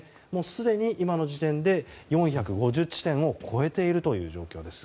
すでに今の時点で４５０地点を超えているという状況です。